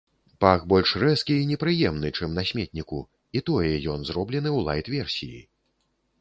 Пах больш рэзкі і непрыемны, чым на сметніку, і тое ён зроблены ў лайт-версіі.